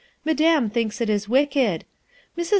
"Madame thinks it is wicked. Mrs.